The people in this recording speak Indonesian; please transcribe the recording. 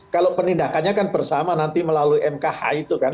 kalau penindakannya kan bersama nanti melalui mkh itu kan